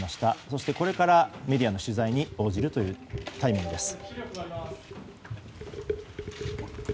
そしてこれからメディアの取材に応じるというタイミングです。